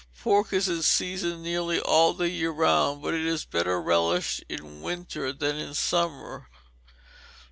_Pork is in season nearly all the year round, but is better relished in winter than in summer.